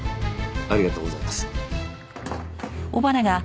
ありがとうございます。